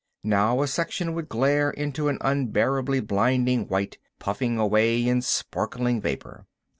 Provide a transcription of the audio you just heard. Now a section would glare into an unbearably blinding white puffing away in sparkling vapor.